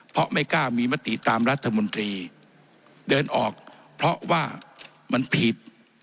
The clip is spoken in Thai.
เพราะไม่กล้ามีมติตามรัฐมนตรีเดินออกเพราะว่ามันผิด